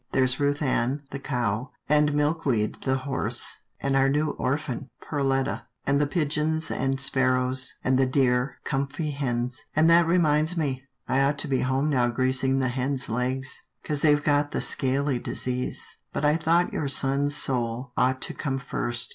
There's Ruth Ann, the cow; and Milkweed, the horse; and our new orphan, Perletta; and the pigeons and sparrows; and the dear, comfy hens; — and that reminds me, I ought to be home now greasing the hens' legs, 'cause they've got the scaly disease, but I thought your son's soul ought to come first.